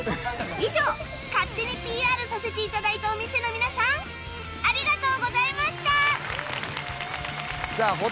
以上勝手に ＰＲ させて頂いたお店の皆さんありがとうございました